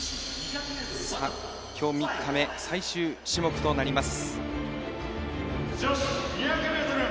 今日３日目最終種目となります。